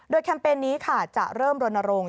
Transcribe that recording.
โดยแคมเปญนี้จะเริ่มรณรงค์